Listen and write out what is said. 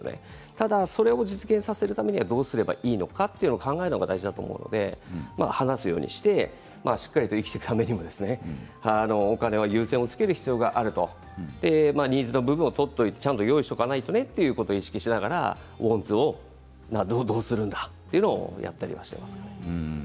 ただ実現するために、どうすればいいのかを考えるのが大事だと思うので、話すようにしてしっかり生きていくためにもお金は優先をつける必要があるとニーズの部分を取って用意しておかないとねというのを意識しながらウォンツをどうするんだというのをやったりしています。